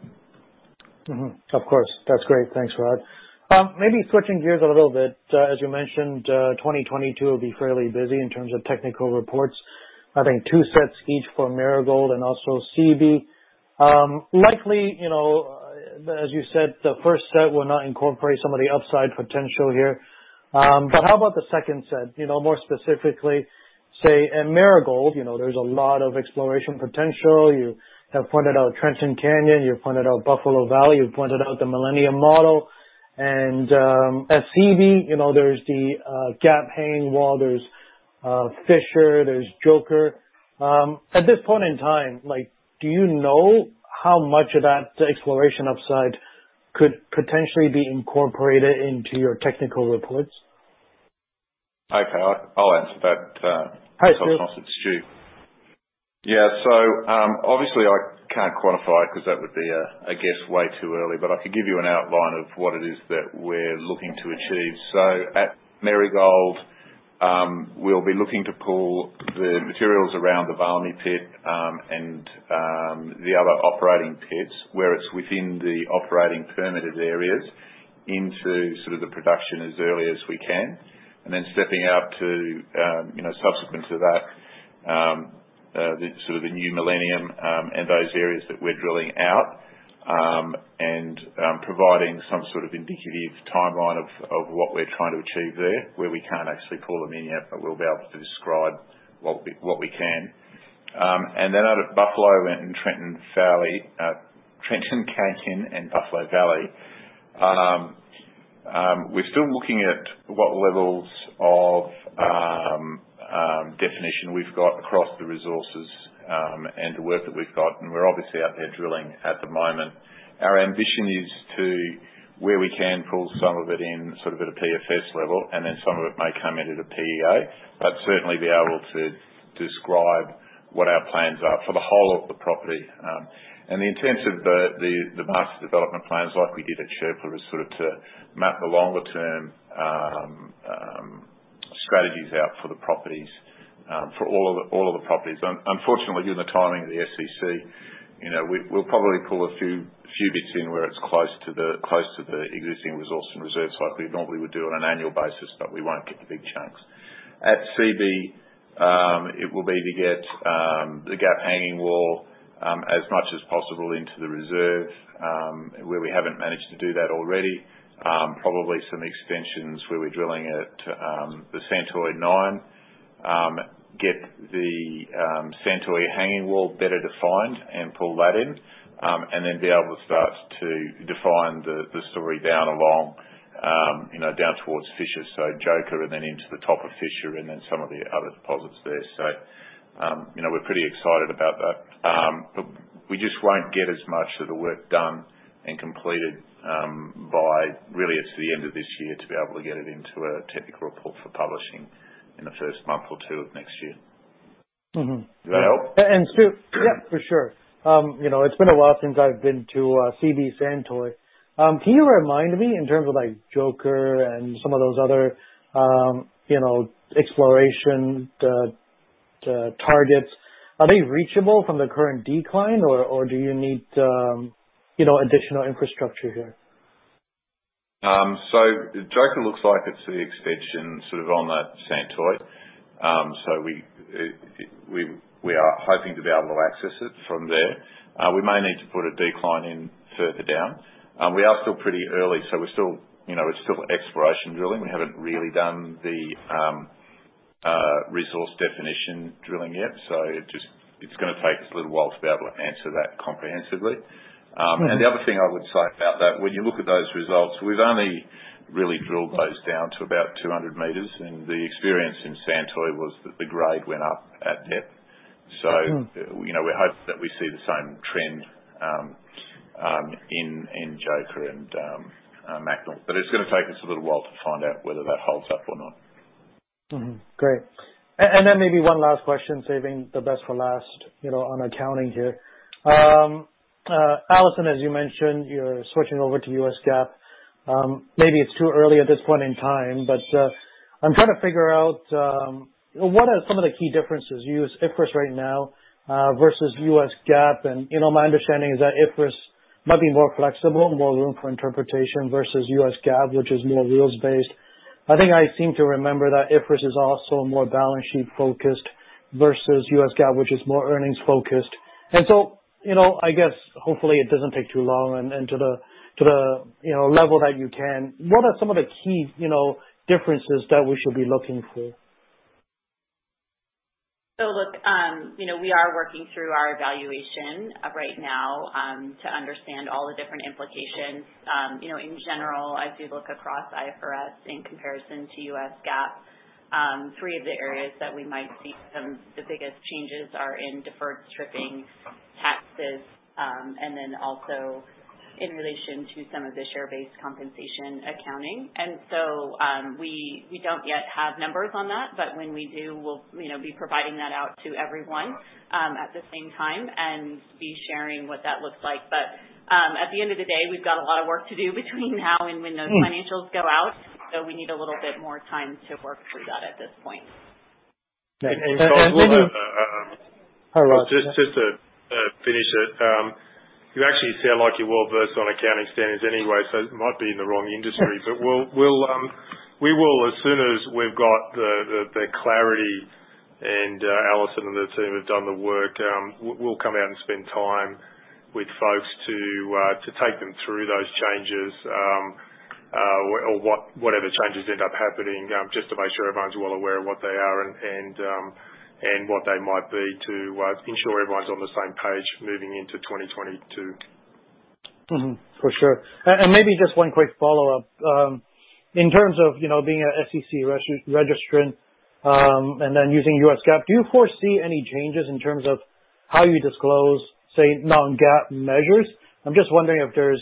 Of course. That's great. Thanks, Rod. Maybe switching gears a little bit. As you mentioned, 2022 will be fairly busy in terms of technical reports, having two sets each for Marigold and also Seabee. Likely, you know, as you said, the first set will not incorporate some of the upside potential here. But how about the second set? You know, more specifically, say, in Marigold, you know, there's a lot of exploration potential. You have pointed out Trenton Canyon, you pointed out Buffalo Valley, you pointed out the Millennium Model. At Seabee, you know, there's the Gap Hanging Wall, there's Fisher, there's Joker. At this point in time, like, do you know how much of that exploration upside could potentially be incorporated into your technical reports? Okay. I'll answer that. Hi, Stu.... if that's possible. It's Stu. Yeah. Obviously I can't quantify it 'cause that would be, I guess, way too early, but I could give you an outline of what it is that we're looking to achieve. At Marigold, we'll be looking to pull the materials around the Valmy Pit, and the other operating pits, where it's within the operating permitted areas, into sort of the production as early as we can. Then stepping up to, you know, subsequent to that, the sort of New Millennium, and those areas that we're drilling out, and providing some sort of indicative timeline of what we're trying to achieve there, where we can't actually pull them in yet, but we'll be able to describe what we can. Out at Buffalo and Trenton Valley, Trenton Canyon and Buffalo Valley, we're still looking at what levels of definition we've got across the resources, and the work that we've got, and we're obviously out there drilling at the moment. Our ambition is to, where we can, pull some of it in sort of at a PFS level, and then some of it may come in at a PEA, but certainly be able to describe what our plans are for the whole of the property. The intent of the master development plans, like we did at Çöpler, is sort of to map the longer-term strategies out for the properties, for all of the properties. Unfortunately, given the timing of the SEC, you know, we'll probably pull a few bits in where it's close to the existing resource and reserves like we normally would do on an annual basis, but we won't get the big chunks. At Seabee, it will be to get the Gap Hanging Wall as much as possible into the reserve where we haven't managed to do that already. Probably some extensions where we're drilling at the Santoy 9. Get the Santoy Hanging Wall better defined and pull that in, and then be able to start to define the story down along, you know, down towards Fisher. Joker and then into the top of Fisher and then some of the other deposits there. You know, we're pretty excited about that. We just won't get as much of the work done and completed by really it's the end of this year to be able to get it into a technical report for publishing in the first month or two of next year. Mm-hmm. Does that help? Stu, yeah, for sure. You know, it's been a while since I've been to Seabee Santoy. Can you remind me in terms of like Joker and some of those other, you know, exploration targets, are they reachable from the current decline or do you need, you know, additional infrastructure here? Joker looks like it's an extension sort of on that Santoy. We are hoping to be able to access it from there. We may need to put a decline in further down. We are still pretty early, so we're still, you know, it's still exploration drilling. We haven't really done the resource definition drilling yet. It's gonna take us a little while to be able to answer that comprehensively. The other thing I would say about that, when you look at those results, we've only really drilled those down to about 200 meters. The experience in Santoy was that the grade went up at depth. Mm-hmm. You know, we hope that we see the same trend in Joker and Mackay. It's gonna take us a little while to find out whether that holds up or not. Great. And then maybe one last question, saving the best for last, you know, on accounting here. Alison, as you mentioned, you're switching over to U.S. GAAP. Maybe it's too early at this point in time, but I'm trying to figure out what are some of the key differences you use IFRS right now versus U.S. GAAP? You know, my understanding is that IFRS might be more flexible, more room for interpretation versus U.S. GAAP, which is more rules-based. I think I seem to remember that IFRS is also more balance sheet focused versus U.S. GAAP, which is more earnings focused. You know, I guess, hopefully it doesn't take too long. To the level that you can, what are some of the key differences that we should be looking for? Look, you know, we are working through our evaluation, right now, to understand all the different implications. You know, in general, as you look across IFRS in comparison to U.S. GAAP, three of the areas that we might see some of the biggest changes are in deferred stripping taxes, and then also in relation to some of the share-based compensation accounting. We don't yet have numbers on that, but when we do, we'll, you know, be providing that out to everyone, at the same time and be sharing what that looks like. At the end of the day, we've got a lot of work to do between now and when those- Mm. Financials go out, so we need a little bit more time to work through that at this point. And, and just- Cos, just wanna Oh, go ahead. Just to finish it. You actually sound like you're well-versed on accounting standards anyway, so might be in the wrong industry. We'll, as soon as we've got the clarity and Alison and the team have done the work, we'll come out and spend time with folks to take them through those changes. Or whatever changes end up happening, just to make sure everyone's well aware of what they are and what they might be to ensure everyone's on the same page moving into 2022. Mm-hmm. For sure. Maybe just one quick follow-up. In terms of, you know, being a SEC registrant, and then using U.S. GAAP, do you foresee any changes in terms of how you disclose, say, non-GAAP measures? I'm just wondering if there's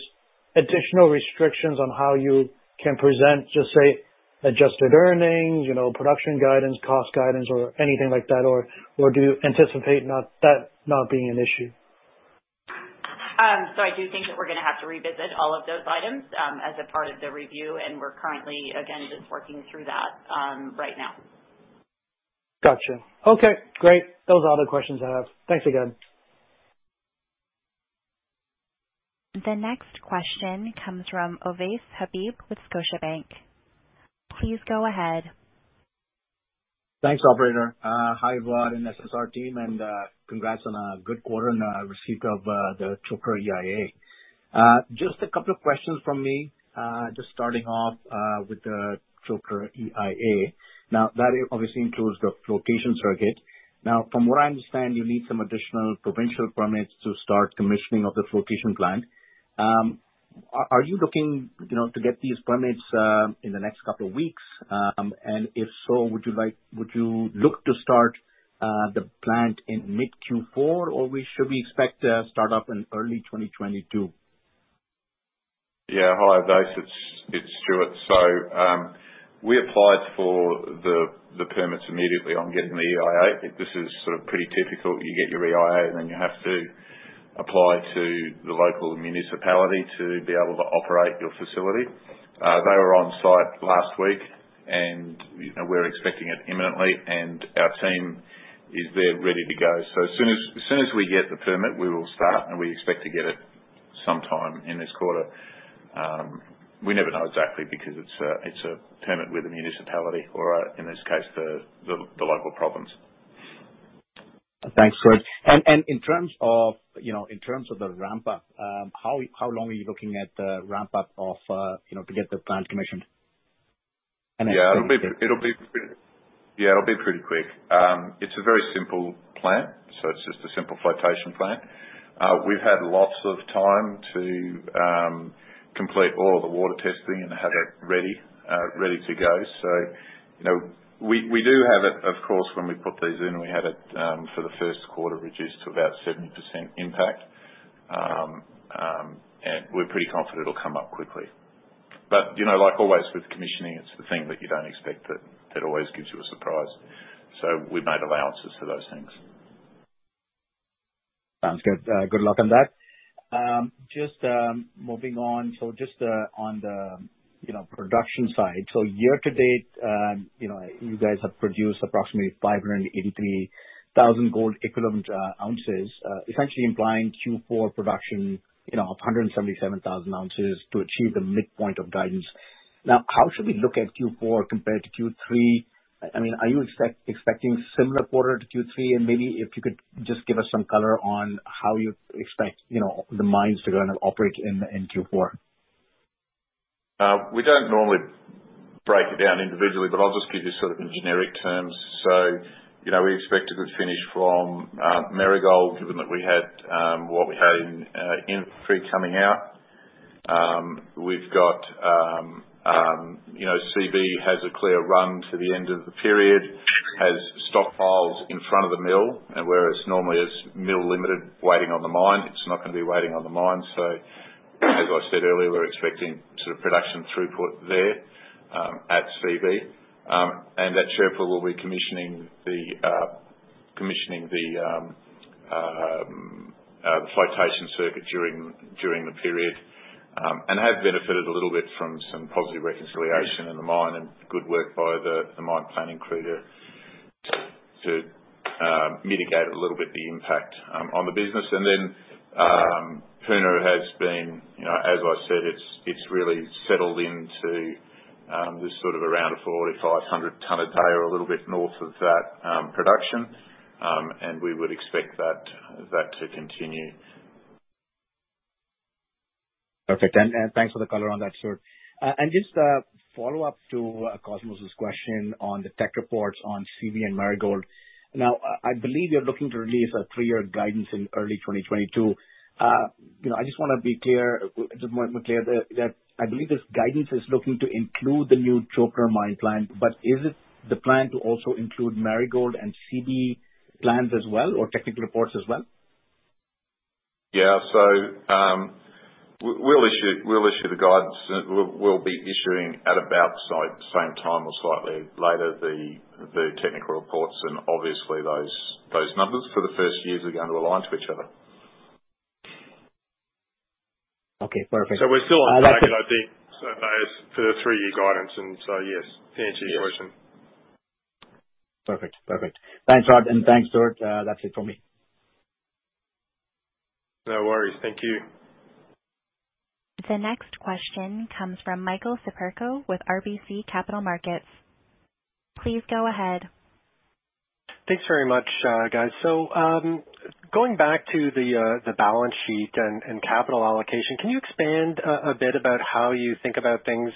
additional restrictions on how you can present, just say, adjusted earnings, you know, production guidance, cost guidance or anything like that. Or do you anticipate that not being an issue? I do think that we're gonna have to revisit all of those items as a part of the review, and we're currently, again, just working through that right now. Gotcha. Okay, great. Those are all the questions I have. Thanks again. The next question comes from Ovais Habib with Scotiabank. Please go ahead. Thanks, operator. Hi Vlad and SSR team, and congrats on a good quarter and receipt of the Joker EIA. Just a couple of questions from me. Just starting off with the Joker EIA. Now, that obviously includes the flotation circuit. Now, from what I understand, you need some additional provincial permits to start commissioning of the flotation plant. Are you looking, you know, to get these permits in the next couple of weeks? And if so, would you look to start the plant in mid Q4, or should we expect a startup in early 2022? Yeah. Hi, Ovais. It's Stewart. We applied for the permits immediately on getting the EIA. This is sort of pretty typical. You get your EIA, and then you have to apply to the local municipality to be able to operate your facility. They were on site last week, and you know, we're expecting it imminently, and our team is there ready to go. As soon as we get the permit, we will start, and we expect to get it sometime in this quarter. We never know exactly because it's a permit with the municipality or in this case the local province. Thanks, Stewart. In terms of, you know, in terms of the ramp up, how long are you looking at the ramp up of, you know, to get the plant commissioned? Then- Yeah, it'll be pretty quick. It's a very simple plant. It's just a simple flotation plant. We've had lots of time to complete all the water testing and have it ready to go. You know, we do have it, of course, when we put these in, we had it for the first quarter reduced to about 70% impact. We're pretty confident it'll come up quickly. You know, like always with commissioning, it's the thing that you don't expect that always gives you a surprise. We've made allowances for those things. Sounds good. Good luck on that. Just moving on. Just on the production side. Year to date, you know, you guys have produced approximately 583,000 gold equivalent ounces, essentially implying Q4 production, you know, of 177,000 ounces to achieve the midpoint of guidance. Now, how should we look at Q4 compared to Q3? I mean, are you expecting similar quarter to Q3? Maybe if you could just give us some color on how you expect, you know, the mines to kind of operate in Q4. We don't normally break it down individually, but I'll just give you sort of in generic terms. You know, we expect a good finish from Marigold given that we had what we had in Q3 coming out. We've got, you know, Seabee has a clear run to the end of the period, has stockpiles in front of the mill, and whereas normally it's mill limited waiting on the mine, it's not gonna be waiting on the mine. As I said earlier, we're expecting sort of production throughput there at Seabee. That Çöpler will be commissioning the flotation circuit during the period and have benefited a little bit from some positive reconciliation in the mine and good work by the mine planning crew to mitigate a little bit the impact on the business. Puna has been, you know, as I said, it's really settled into this sort of around 4,500 ton a day or a little bit north of that production. We would expect that to continue. Perfect. Thanks for the color on that, Stewart. Just a follow-up to Cosmos' question on the tech reports on Seabee and Marigold. Now, I believe you're looking to release a three-year guidance in early 2022. You know, I just wanna be clear, just more clear that I believe this guidance is looking to include the new Joker mine plan. Is it the plan to also include Marigold and Seabee plans as well, or technical reports as well? Yeah, we'll issue the guidance. We'll be issuing at about the same time or slightly later the technical reports and obviously those numbers for the first years are going to align to each other. Okay, perfect. We're still on target, I think, so as for the three-year guidance. Yes, to answer your question. Perfect. Thanks, Rod, and thanks, Stewart. That's it for me. No worries. Thank you. The next question comes from Michael Siperco with RBC Capital Markets. Please go ahead. Thanks very much, guys. Going back to the balance sheet and capital allocation, can you expand a bit about how you think about things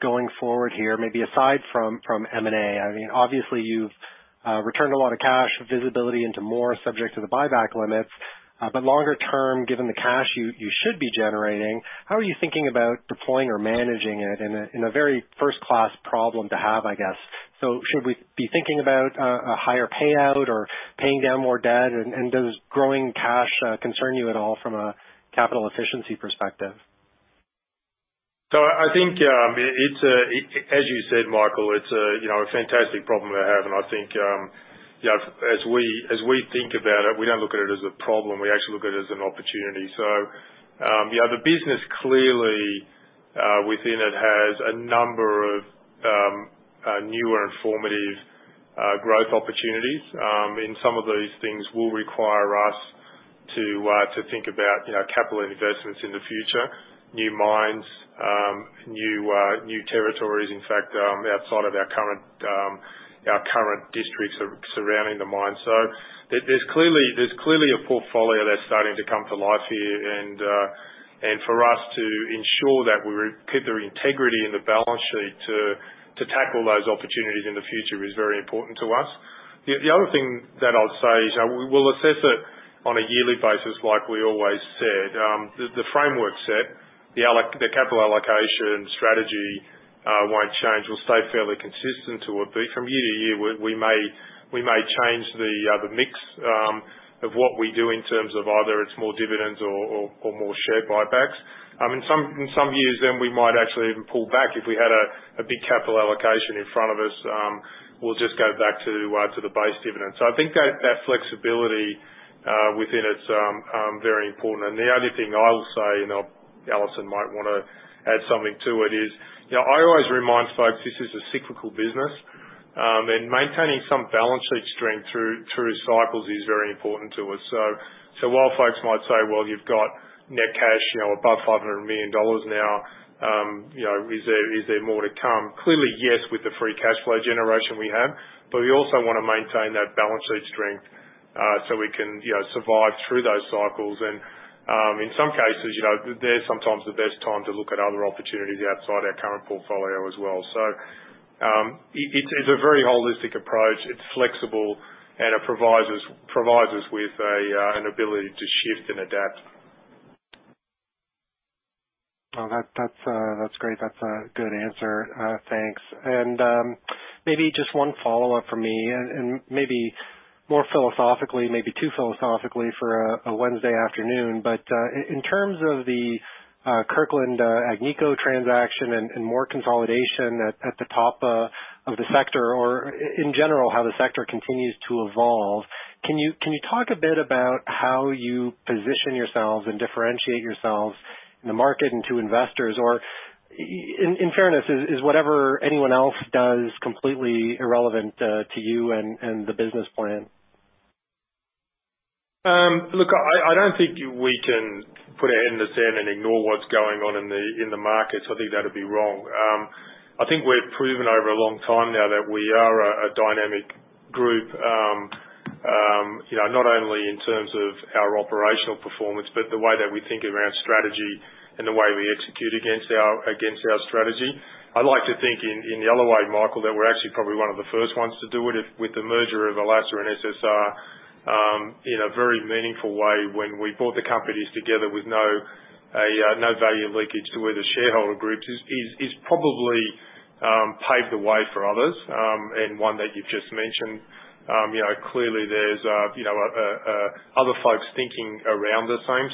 going forward here, maybe aside from M&A? I mean, obviously, you've returned a lot of cash. Visibility into more subject to the buyback limits. Longer term, given the cash you should be generating, how are you thinking about deploying or managing it in a very first-class problem to have, I guess? Should we be thinking about a higher payout or paying down more debt? Does growing cash concern you at all from a capital efficiency perspective? I think, as you said, Michael, it's a you know a fantastic problem to have. I think, you know, as we think about it, we don't look at it as a problem. We actually look at it as an opportunity. You know, the business clearly within it has a number of transformative growth opportunities. Some of these things will require us to think about, you know, capital investments in the future, new mines, new territories, in fact, outside of our current districts surrounding the mine. There's clearly a portfolio that's starting to come to life here. For us to ensure that we keep the integrity in the balance sheet to tackle those opportunities in the future is very important to us. The other thing that I'll say is that we'll assess it on a yearly basis, like we always said. The framework set, the capital allocation strategy won't change. We'll stay fairly consistent to what it be. From year to year, we may change the mix of what we do in terms of either it's more dividends or more share buybacks. In some years then we might actually even pull back if we had a big capital allocation in front of us. We'll just go back to the base dividend. I think that flexibility within it is very important. The only thing I'll say, and Alison might wanna add something to it, is, you know, I always remind folks this is a cyclical business. Maintaining some balance sheet strength through cycles is very important to us. While folks might say, "Well, you've got net cash, you know, above $500 million now, you know, is there more to come?" Clearly, yes, with the free cash flow generation we have, but we also wanna maintain that balance sheet strength, so we can, you know, survive through those cycles. In some cases, you know, there's sometimes the best time to look at other opportunities outside our current portfolio as well. It's a very holistic approach. It's flexible and it provides us with an ability to shift and adapt. Well, that's great. That's a good answer. Thanks. Maybe just one follow-up from me and maybe more philosophically, maybe too philosophically for a Wednesday afternoon. In terms of the Kirkland Agnico transaction and more consolidation at the top of the sector, or in general, how the sector continues to evolve, can you talk a bit about how you position yourselves and differentiate yourselves in the market and to investors? Or in fairness, is whatever anyone else does completely irrelevant to you and the business plan? Look, I don't think we can put our head in the sand and ignore what's going on in the markets. I think that'd be wrong. I think we've proven over a long time now that we are a dynamic group. You know, not only in terms of our operational performance, but the way that we think around strategy and the way we execute against our strategy. I'd like to think in the other way, Michael, that we're actually probably one of the first ones to do it with the merger of Alacer and SSR, in a very meaningful way when we brought the companies together with no value leakage to where the shareholder groups is probably paved the way for others, and one that you've just mentioned. You know, clearly there's you know other folks thinking around the same.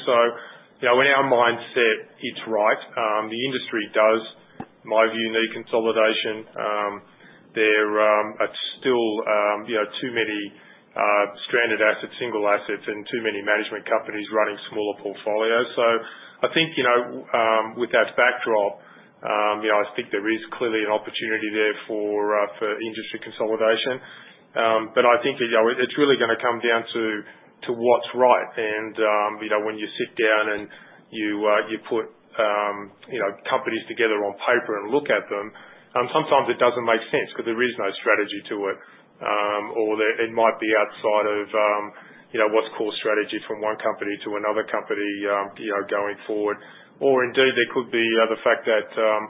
You know, in our mindset, it's right. The industry does, my view, need consolidation. There are still, you know, too many stranded assets, single assets, and too many management companies running smaller portfolios. I think, you know, with that backdrop, you know, I think there is clearly an opportunity there for industry consolidation. I think, you know, it's really gonna come down to what's right. You know, when you sit down and you put you know companies together on paper and look at them, sometimes it doesn't make sense 'cause there is no strategy to it. There it might be outside of, you know, what's core strategy from one company to another company, you know, going forward. Indeed there could be the fact that,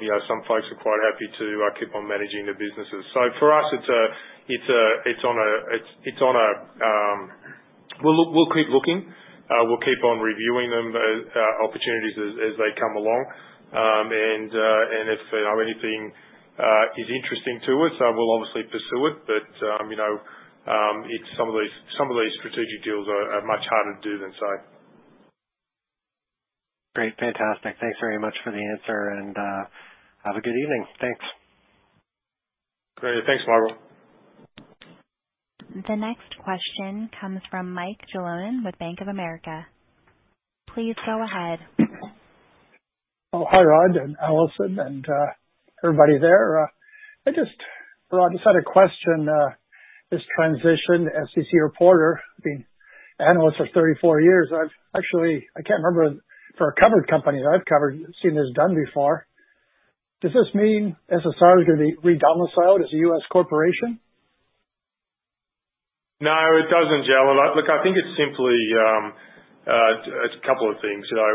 you know, some folks are quite happy to keep on managing their businesses. For us, we'll keep looking. We'll keep on reviewing opportunities as they come along. And if anything is interesting to us, we'll obviously pursue it. You know, some of these strategic deals are much harder to do than say. Great. Fantastic. Thanks very much for the answer, and have a good evening. Thanks. Great. Thanks, Michael. The next question comes from Mike Jalonen with Bank of America. Please go ahead. Oh, hi, Rod and Alison and, everybody there. Rod, I just had a question, this transition to SEC reporting, being an analyst of 34 years, I've actually, I can't remember for a covered company that I've covered, seen this done before. Does this mean SSR is gonna be re-domiciled as a U.S. corporation? No, it doesn't, Jalonen. Look, I think it's simply, it's a couple of things. You know,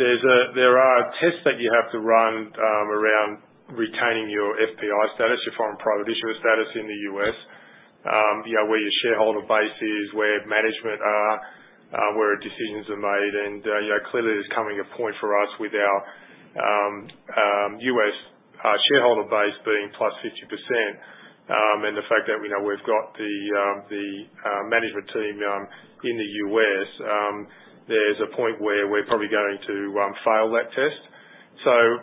there are tests that you have to run around retaining your FPI status, your foreign private issuer status in the U.S., you know, where your shareholder base is, where management are, where decisions are made. You know, clearly there's coming a point for us with our U.S. shareholder base being plus 50%, and the fact that we know we've got the management team in the U.S., there's a point where we're probably going to fail that test.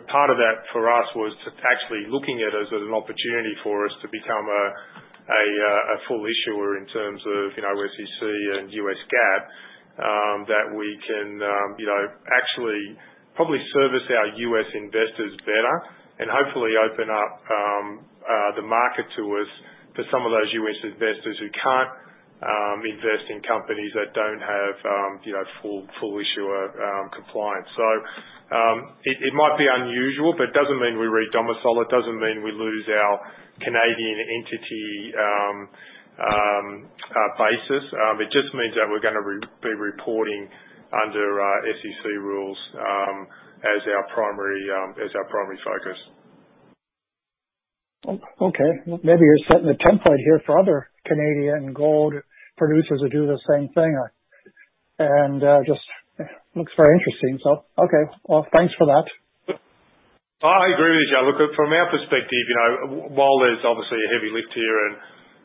Part of that for us was to actually looking at it as an opportunity for us to become a full issuer in terms of, you know, SEC and U.S. GAAP, that we can, you know, actually probably service our U.S. investors better and hopefully open up the market to us for some of those U.S. investors who can't invest in companies that don't have, you know, full issuer compliance. It might be unusual, but it doesn't mean we re-domicile. It doesn't mean we lose our Canadian entity basis. It just means that we're gonna re-be reporting under SEC rules as our primary focus. Okay. Maybe you're setting the template here for other Canadian gold producers to do the same thing. Just looks very interesting. Okay, well, thanks for that. I agree with you. Look, from our perspective, you know, while there's obviously a heavy lift here and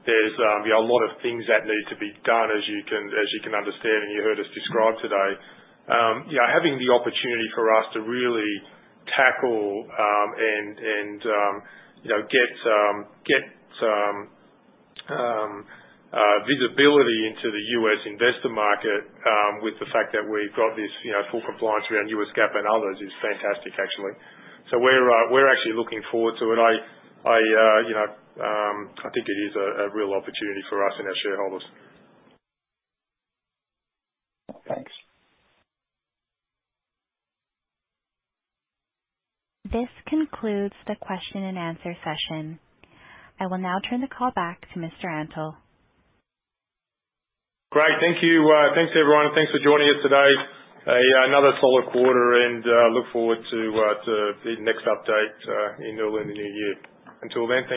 there's, you know, a lot of things that need to be done, as you can understand and you heard us describe today, you know, having the opportunity for us to really tackle and you know, get visibility into the U.S. investor market, with the fact that we've got this, you know, full compliance around U.S. GAAP and others is fantastic, actually. We're actually looking forward to it. I, you know, I think it is a real opportunity for us and our shareholders. Thanks. This concludes the question and answer session. I will now turn the call back to Mr. Antal. Great. Thank you. Thanks, everyone. Thanks for joining us today. Another solid quarter and look forward to the next update early in the new year. Until then, thanks.